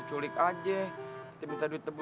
kuliah apa tuh nih